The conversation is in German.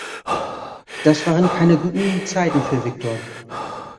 Das waren keine guten Zeiten für Viktor.